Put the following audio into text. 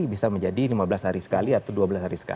bisa menjadi lima belas hari sekali atau dua belas hari sekali